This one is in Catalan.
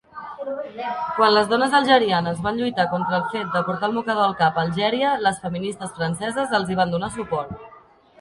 Quan les dones algerianes van lluitar contra el fet de portar el mocador al cap a Algèria, les feministes franceses els hi van donar suport.